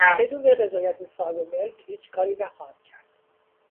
بدون رضایت صاحب ملک هیچ کاری نخواهم کرد.